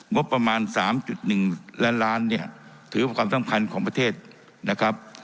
งบประมาณ๓๑ล้านล้านเนี่ยถือว่าเป็นความสำคัญของประเทศนะครับ